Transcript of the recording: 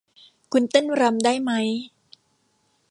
คุณเต้นรำได้มั้ย